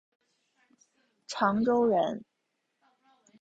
长洲人。